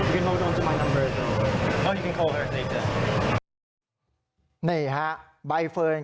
ซึ่งเป็นเน็ตไอดัลสาวน์ก็คือหนังสาวมนทิรา